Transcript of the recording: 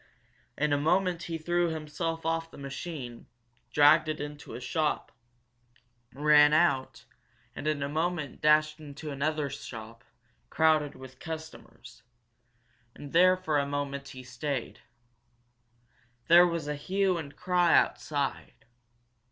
In a moment he threw himself off the machine, dragged it into a shop, ran out, and in a moment dashed into another shop, crowded with customers. And there for a moment, he stayed. There was a hue and cry outside.